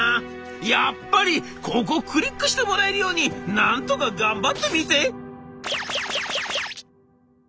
やっぱり広告クリックしてもらえるようになんとか頑張ってみて」。